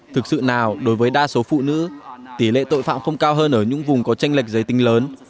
thực sự nào đối với đa số phụ nữ tỷ lệ tội phạm không cao hơn ở những vùng có tranh lệch giới tính lớn